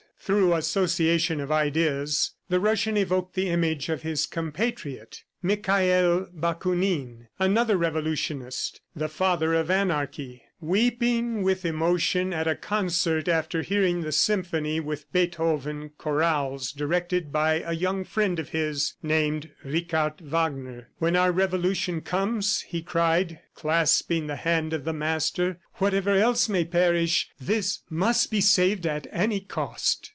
Through association of ideas, the Russian evoked the image of his compatriot, Michael Bakounine, another revolutionist, the father of anarchy, weeping with emotion at a concert after hearing the symphony with Beethoven chorals directed by a young friend of his, named Richard Wagner. "When our revolution comes," he cried, clasping the hand of the master, "whatever else may perish, this must be saved at any cost!"